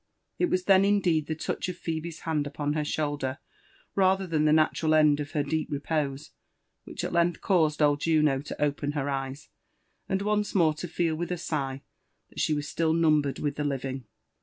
It was then indeed the touch of Phebe's hand upon her shoulder^ rather than the natural end of her deep repose, whidi at length caused old Juno to open her eyes, and once more to feel with a sigh that she was still numbered with the living.